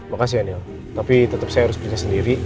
makasih ya neil tapi tetep saya harus beli sendiri